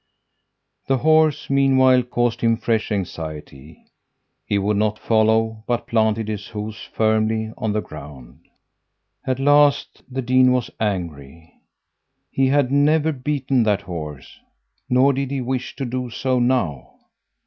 "The horse, meanwhile, caused him fresh anxiety. He would not follow but planted his hoofs firmly on the ground. "At last the dean was angry. He had never beaten that horse, nor did he wish to do so now.